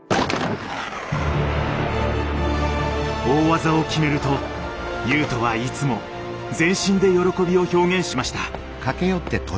大技を決めると雄斗はいつも全身で喜びを表現しました。